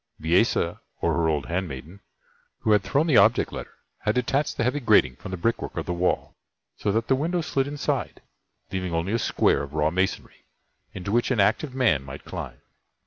Bisesa or her old handmaiden who had thrown the object letter had detached the heavy grating from the brick work of the wall; so that the window slid inside, leaving only a square of raw masonry, into which an active man might climb.